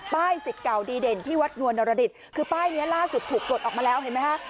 สิทธิ์เก่าดีเด่นที่วัดนวลนรดิตคือป้ายนี้ล่าสุดถูกปลดออกมาแล้วเห็นไหมฮะ